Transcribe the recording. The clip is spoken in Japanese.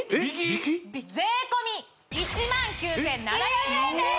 税込１万９７００円でーす！